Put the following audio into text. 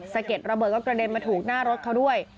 เก็ดระเบิดก็กระเด็นมาถูกหน้ารถเขาด้วย